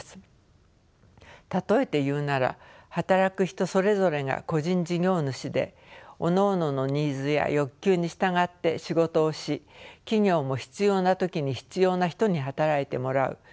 例えて言うなら働く人それぞれが個人事業主でおのおののニーズや欲求に従って仕事をし企業も必要な時に必要な人に働いてもらう。